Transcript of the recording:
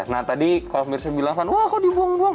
nah tadi kalau mirsa bilang kan wah kok dibuang buang